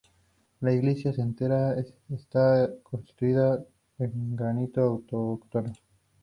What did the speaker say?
La iglesia entera está construida en granito autóctono.